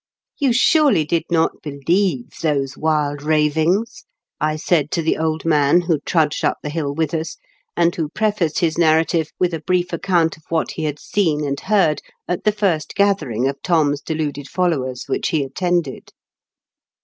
"You surely did not believe those wild ravings ?" I said to the old man who trudged up the hill with us, and who prefaced his narrative with a brief account of what he had seen and heard at the first gathering of Thom'e deluded followers which he attended.